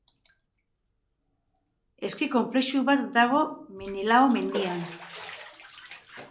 Eski konplexu bat dago Menelao mendian.